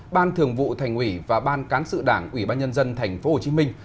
ban thường vụ thành ủy và ban cán sự đảng ủy ban nhân dân thành phố hồ chí minh